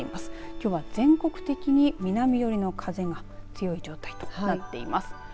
きょうは全国的に南寄りの風が強い状態となっています。